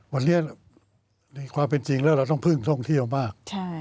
วันนี้ในความเป็นจริงแล้วเราต้องพึ่งท่องเที่ยวมาก